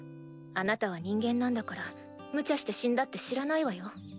あなたは人間なんだからムチャして死んだって知らないわよ？